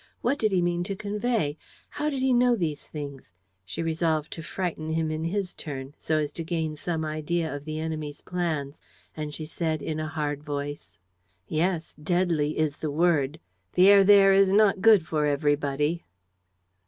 What did he mean to convey? How did he know these things? She resolved to frighten him in his turn, so as to gain some idea of the enemy's plans, and she said, in a hard voice: "Yes, deadly is the word. The air there is not good for everybody."